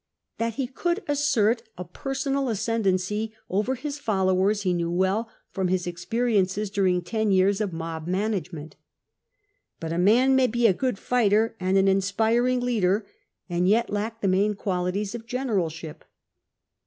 That he could assert a personal ascendency over his followers he knew well, from his experiences during ten years of mob management. But a man may be a good fighter and an inspiring leader, and yet lack the main qualities of generalship.